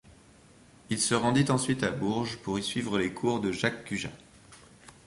Il se rendit ensuite à Bourges pour y suivre les cours de Jacques Cujas.